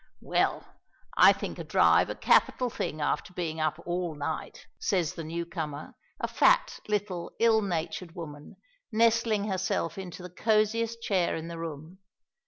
"Well, I think a drive a capital thing after being up all night," says the new comer, a fat, little, ill natured woman, nestling herself into the cosiest chair in the room.